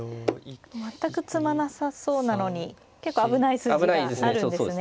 全く詰まなさそうなのに結構危ない筋があるんですね。